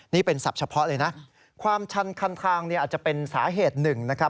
นี่เป็นศัพท์เฉพาะเลยนะความชันคันทางเนี่ยอาจจะเป็นสาเหตุหนึ่งนะครับ